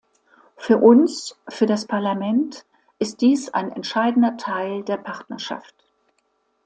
Für uns, für das Parlament, ist dies ein entscheidender Teil der Partnerschaft.